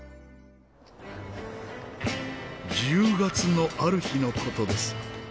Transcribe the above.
１０月のある日の事です。